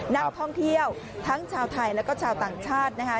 นักท่องเที่ยวทั้งชาวไทยแล้วก็ชาวต่างชาตินะคะ